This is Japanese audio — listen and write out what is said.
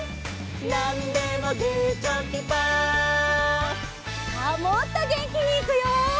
「なんでもグーチョキパー」さあもっとげんきにいくよ！